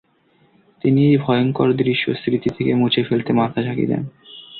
তিনি এই ভয়ঙ্কর দৃশ্য স্মৃতি থেকে মুছে ফেলতে মাথা ঝাঁকি দেন।